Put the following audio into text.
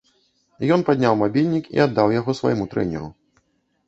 Ён падняў мабільнік і аддаў яго свайму трэнеру.